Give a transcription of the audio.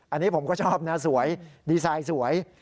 อันนี้ผมก็ชอบนะสวยดีไซน์สวย